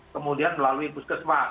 kemudian melalui puskesmas